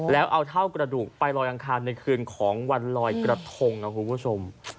แล้วเอาเท่ากระดูกไปลอยอังคารในคืนของวันลอยกระทงครับคุณผู้ชม